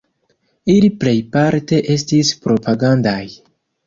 Ili plejparte estis propagandaj.